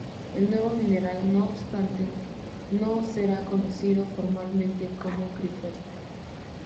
El nuevo mineral, no obstante, no será conocido formalmente como kryptonita.